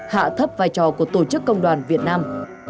hạ thấp vai trò của tổ chức công đoàn việt nam